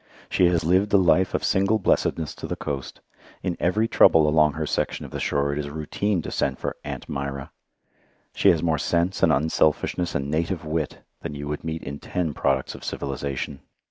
She has lived a life of single blessedness to the coast. In every trouble along her section of the shore it is "routine" to send for "Aunt" 'Mira. She has more sense and unselfishness and native wit than you would meet in ten products of civilization.